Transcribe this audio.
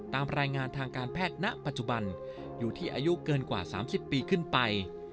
ตามรายงานทางการแพทย์ณปัจจุบันอยู่ที่อายุเกินกว่า๓๐ปีขึ้นไป